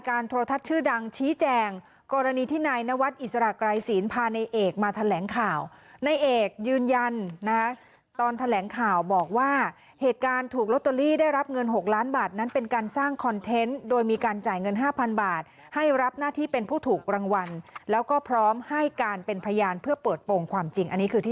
โทรทัศน์ชื่อดังชี้แจงกรณีที่นายนวัดอิสระไกรศีลพาในเอกมาแถลงข่าวในเอกยืนยันนะตอนแถลงข่าวบอกว่าเหตุการณ์ถูกลอตเตอรี่ได้รับเงิน๖ล้านบาทนั้นเป็นการสร้างคอนเทนต์โดยมีการจ่ายเงินห้าพันบาทให้รับหน้าที่เป็นผู้ถูกรางวัลแล้วก็พร้อมให้การเป็นพยานเพื่อเปิดโปรงความจริงอันนี้คือที่